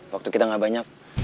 waktu kita gak banyak